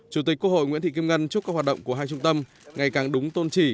chủ tịch quốc hội nguyễn thị kim ngân chúc các hoạt động của hai trung tâm ngày càng đúng tôn trì